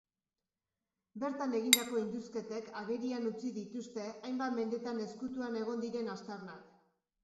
Bertan egindako indusketek agerian utzi dituzte hainbat mendetan ezkutuan egon diren aztarnak.